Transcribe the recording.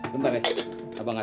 bentar ya cing